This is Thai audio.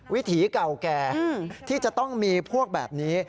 วิถีเก่าแก่ที่จะต้องมีพวกแบบนี้